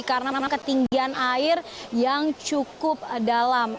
karena memang ketinggian air yang cukup dalam